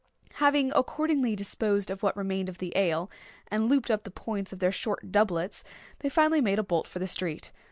Having accordingly disposed of what remained of the ale, and looped up the points of their short doublets, they finally made a bolt for the street.